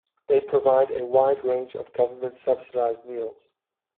They provide a wide range of government-subsidised meals.